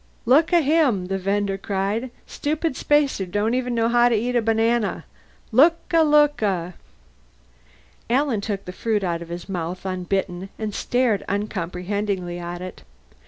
"Looka him!" the vender cried. "Stupid spacer don't even know how to eat a banana! Looka! Looka!" Alan took the fruit out of his mouth unbitten and stared uncomprehendingly at it.